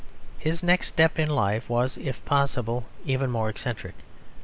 His next step in life was, if possible, even more eccentric.